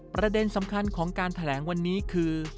ประเด็นสำคัญของการแถลงวันนี้คือ